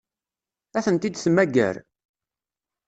Ad tent-id-temmager?